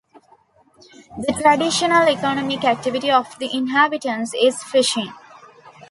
The traditional economic activity of the inhabitants is fishing.